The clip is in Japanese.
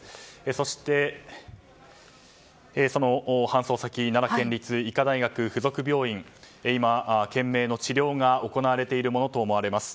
そして、搬送先の奈良県立医科大学附属病院では今、懸命の治療が行われているものと思われます。